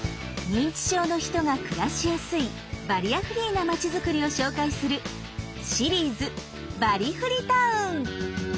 認知症の人が暮らしやすいバリアフリーな町づくりを紹介する「シリーズバリフリ・タウン」。